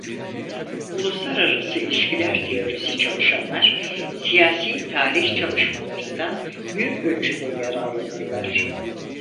Uluslararası İlişkiler teorisi çalışanlar Siyasi Tarih çalışmalarından büyük ölçüde yararlanırlar.